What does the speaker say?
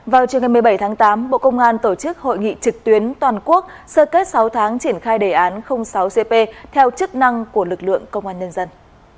vào trường ngày một mươi bảy tháng tám bộ công an tổ chức hội nghị trực tuyến toàn quốc sơ kết sáu tháng triển khai đề án sáu cp theo chức năng của lực lượng công an nhân dân